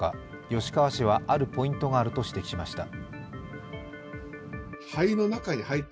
吉川氏はあるポイントがあると指摘しました。